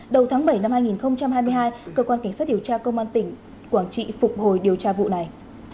đầu tháng bảy năm hai nghìn hai mươi hai cơ quan cảnh sát điều tra công an tỉnh quảng trị phục hồi điều tra vụ này